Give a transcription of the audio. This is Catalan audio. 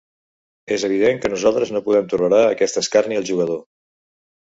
És evident que nosaltres no podem tolerar aquest escarni al jugador.